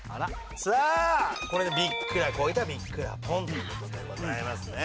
さあこれでびっくらこいたビッくらポン！という事でございますね。